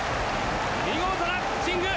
見事なピッチング！